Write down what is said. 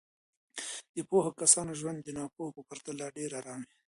د پوهو کسانو ژوند د ناپوهو په پرتله ډېر ارام وي.